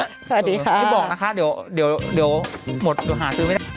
สวัสดีค่ะพี่บอกนะคะเดี๋ยวหมดเดี๋ยวหาซื้อไม่ได้